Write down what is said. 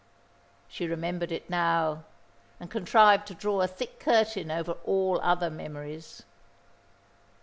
She remembered it now, and contrived to draw a thick curtain over all other memories.